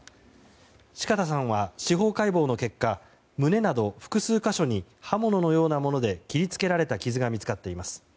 四方さんは司法解剖の結果胸など複数箇所に刃物のようなもので切り付けられた傷が見つかっています。